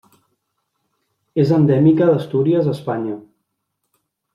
És endèmica d'Astúries a Espanya.